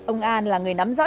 ông an là người nắm rõ